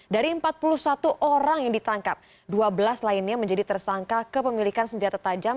dari empat puluh satu orang yang ditangkap dua belas lainnya menjadi tersangka kepemilikan senjata tajam